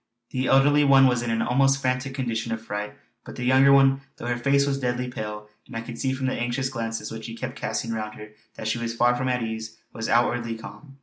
The elderly one was in an almost frantic condition of fright; but the younger one, though her face was deadly pale and I could see from the anxious glances which she kept casting round her that she was far from at ease was outwardly calm.